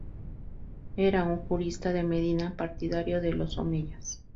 Era un jurista de Medina partidario de los Omeyas.